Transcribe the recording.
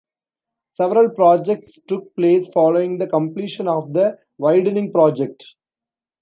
Several projects took place following the completion of the widening project.